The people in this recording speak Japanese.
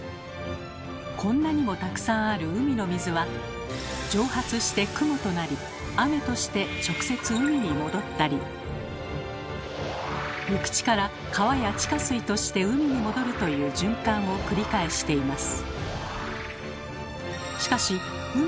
こんなにもたくさんある海の水は蒸発して雲となり雨として直接海に戻ったり陸地から川や地下水として海に戻るという循環を繰り返しています。